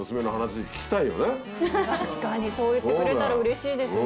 確かにそう言ってくれたらうれしいですね。